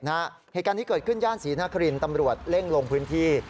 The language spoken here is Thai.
เหตุการณ์นี้เกิดขึ้นย่านศรีนครินตำรวจเร่งลงพื้นที่